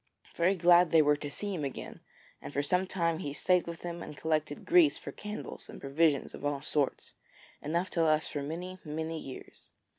Very glad they were to see him again, and for some time he stayed with them and collected grease for candles and provisions of all sorts, enough to last for many, many years.